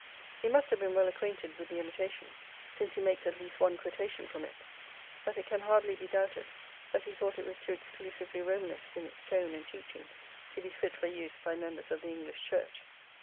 He must have been well acquainted with the " Imitation," since he makes at least one quotation from it : but it can hardly be doubted that he thought it was too exclusively Romanist in its tone and teaching to be fit for use by members of the English Church.